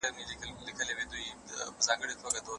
ډک له دوستانو ورک مي اغیار وي